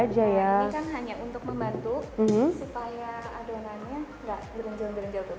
ini kan hanya untuk membantu supaya adonannya gak berunjol berunjol